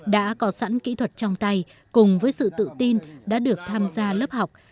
đã có sẵn kỹ thuật trong tay cùng với sự tự tin đã được tham gia lớp học